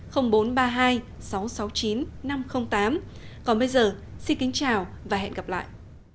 còn bây giờ xin kính chào và hẹn gặp lại